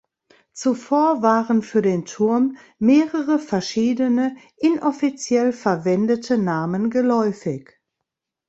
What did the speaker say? Zuvor waren für den Turm mehrere verschiedene, inoffiziell verwendete Namen geläufig.